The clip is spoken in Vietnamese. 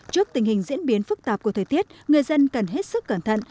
trước tình hình diễn biến phức tạp của thời tiết người dân cần hết sức cẩn thận